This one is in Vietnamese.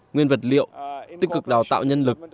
nguyên vật liệu tích cực đào tạo nhân lực